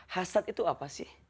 hasad itu apa sih